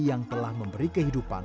yang telah memberi kehidupan